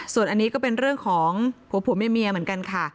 ส่วนอันนี้ก็เป็นเรื่องของผัวผัวเมียเหมือนกันค่ะ